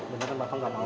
beneran bapak gak mau